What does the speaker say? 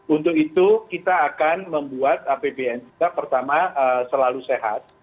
untuk itu kita akan membuat apbn kita pertama selalu sehat